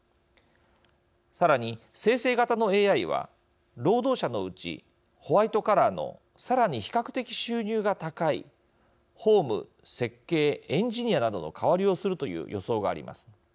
さらに、生成型のＡＩは労働者のうち、ホワイトカラーのさらに比較的収入が高い法務、設計、エンジニアなどの代わりをするという予想があります。